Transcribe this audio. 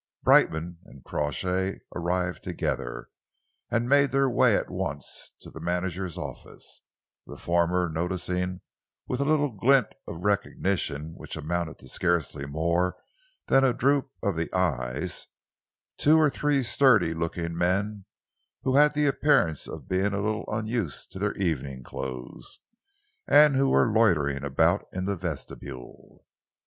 Brightman and Crawshay arrived together, and made their way at once to the manager's office, the former noticing, with a little glint of recognition which amounted to scarcely more than a droop of the eyes, two or three sturdy looking men who had the appearance of being a little unused to their evening clothes, and who were loitering about in the vestibule.